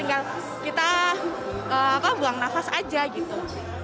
tinggal kita buang nafas aja gitu